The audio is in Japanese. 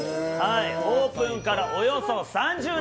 オープンからおよそ３０年。